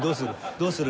どうする？